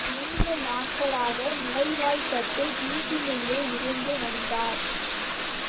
நீண்ட நாட்களாக நோய்வாய்ப்பட்டு வீட்டினுள்ளே இருந்து வந்தார்.